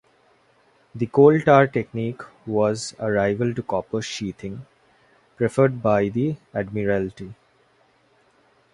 The coal tar technique was a rival to copper sheathing, preferred by the Admiralty.